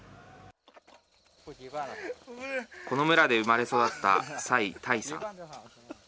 この村で生まれ育った蔡多威さん。